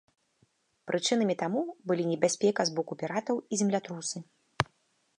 Прычынамі таму былі небяспека з боку піратаў і землятрусы.